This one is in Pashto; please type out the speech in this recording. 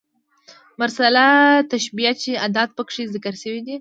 مرسله تشبېه چي ادات پکښي ذکر سوي يي.